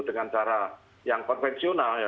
dengan cara yang konvensional